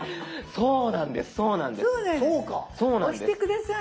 そうなんです